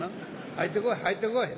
入ってこい入ってこい。